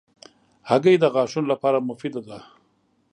هګۍ د غاښونو لپاره مفیده ده.